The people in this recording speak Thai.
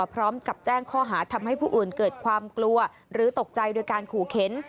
พร้อมกับแจ้งข้อหาทำให้ผู้อื่นเกิดความกลัวหรือตกใจโดยการขู่เข็น